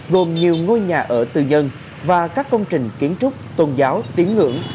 gồm nhiều ngôi nhà ở tư nhân và các công trình kiến trúc tôn giáo tiếng ngưỡng